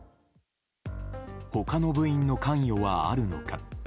他の部員の関与はあるのか。